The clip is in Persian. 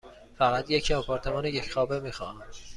فقط یک آپارتمان یک خوابه می خواهم.